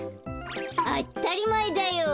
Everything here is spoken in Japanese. あったりまえだよ。